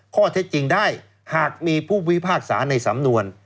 ข้อเท็จจริงได้หากมีผู้พิพากษาในสำนวน